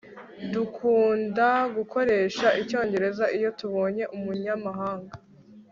Dukunda gukoresha icyongereza iyo tubonye umunyamahanga